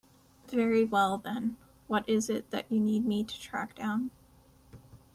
Very well then, what is it that you need me to track down?